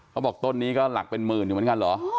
เขาบอกต้นนี้ก็หลักเป็นหมื่นอยู่เหมือนกันเหรอ